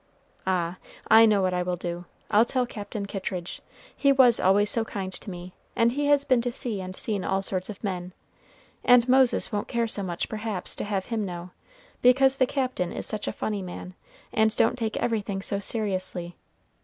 Ah, I know what I will do, I'll tell Captain Kittridge; he was always so kind to me; and he has been to sea and seen all sorts of men, and Moses won't care so much perhaps to have him know, because the Captain is such a funny man, and don't take everything so seriously.